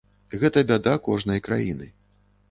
Гэта бяда кожнай краіны.